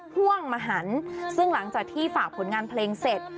พ่วงมหันซึ่งหลังจากที่ฝากผลงานเพลงเสร็จ